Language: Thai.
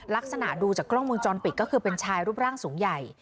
ลักษณะดูจากกล้องวงจรปิดก็คือเป็นชายรูปร่างสูงใหญ่